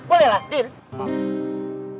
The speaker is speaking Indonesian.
boleh lah din